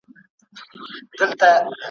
وايي رود چي سمندر ته دا خلیږي .